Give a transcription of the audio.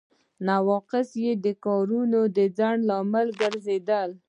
نواقص یې د کارونو د ځنډ لامل ګرځیدل دي.